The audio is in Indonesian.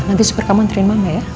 nanti super kaman train mama ya